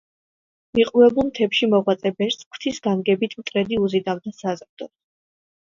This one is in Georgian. მიყრუებულ მთებში მოღვაწე ბერს, ღვთის განგებით, მტრედი უზიდავდა საზრდოს.